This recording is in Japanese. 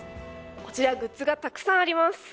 こちらグッズがたくさんあります。